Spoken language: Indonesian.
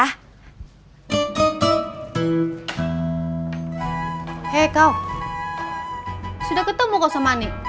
hei kau sudah ketemu kok sama ani